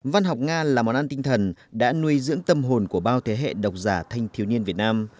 văn học nga là món ăn tinh thần đã nuôi dưỡng tâm hồn của bao thế hệ độc giả thanh thiếu niên việt nam